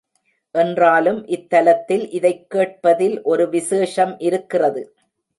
என்றாலும் இத்தலத்தில் இதைக் கேட்பதில் ஒரு விசேஷம் இருக்கிறது.